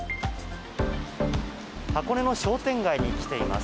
箱根の商店街に来ています。